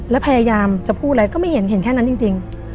แล้วพยายามจะพูดอะไรก็ไม่เห็นเห็นแค่นั้นจริง